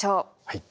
はい。